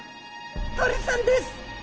鳥さんです。